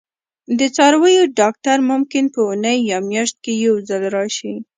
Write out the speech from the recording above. د څارویو ډاکټر ممکن په اونۍ یا میاشت کې یو ځل راشي